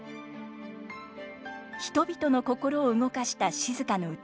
人々の心を動かした静の歌。